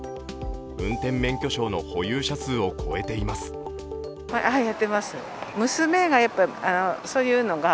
運転免許証の保有者数を超えています。